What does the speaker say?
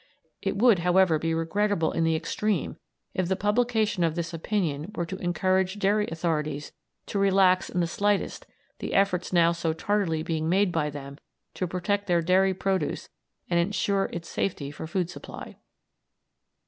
It would, however, be regrettable in the extreme if the publication of this opinion were to encourage dairy authorities to relax in the slightest the efforts now so tardily being made by them to protect their dairy produce and ensure its safety for food supply.